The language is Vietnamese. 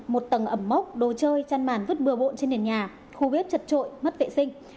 một tầng ẩm mốc đồ chơi chăn màn vứt bừa bộn trên đền nhà khu bếp chật trội mất vệ sinh